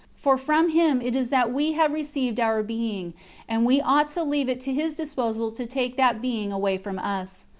For from him it is that we have received our being, and we ought to leave it to his disposal to take that being away from us.